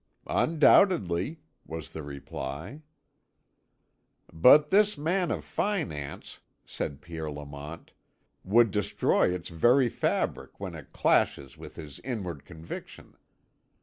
"Undoubtedly," was the reply. "But this man of finance," said Pierre Lamont, "would destroy its very fabric when it clashes with his inward conviction.